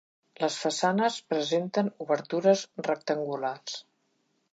Les façanes presenten obertures rectangulars.